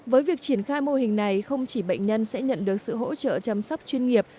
với việc triển khai mô hình này không chỉ bệnh nhân sẽ nhận được sự hỗ trợ chăm sóc chuyên nghiệp